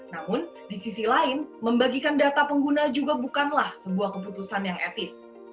namun di sisi lain membagikan data pengguna juga bukanlah sebuah keputusan yang etis